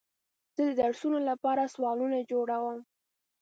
زه د درسونو لپاره سوالونه جوړوم.